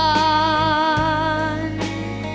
เพราะตัวฉันเพียงไม่อาทัม